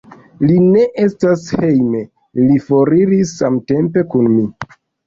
Li ne estas hejme; li foriris samtempe kun mi.